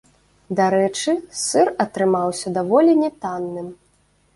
Дарэчы, сыр атрымаўся даволі не танным.